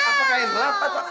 apa kain telapak